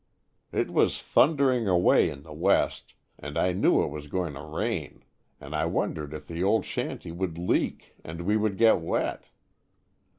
It was thundering away in the west and I knew it was going to rain, and I wondered if the old shanty would leak and we get wet.